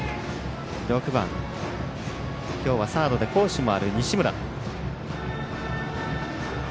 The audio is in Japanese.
６番、今日はサードで好守もある西村。